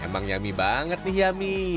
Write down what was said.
emang nyami banget nih yami